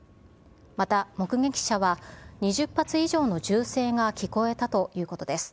また目撃者は、２０発以上の銃声が聞こえたということです。